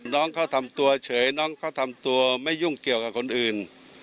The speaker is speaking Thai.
น้องเขาทำตัวเฉยน้องเขาทำตัวไม่ยุ่งเกี่ยวกับคนอื่น